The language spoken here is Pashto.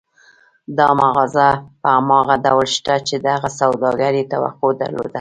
دا مغازه په هماغه ډول شته چې دغه سوداګر يې توقع درلوده.